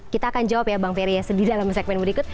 kita akan jawab ya bang ferry ya sedih dalam segmen berikut